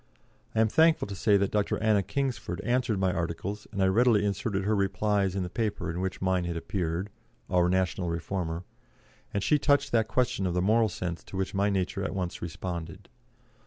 I am thankful to say that Dr. Anna Kingsford answered my articles, and I readily inserted her replies in the paper in which mine had appeared our National Reformer and she touched that question of the moral sense to which my nature at once responded.